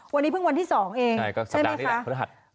วันนี้เพิ่งวันที่สองเองใช่ไหมคะใช่สัปดาห์นี่แหละพศ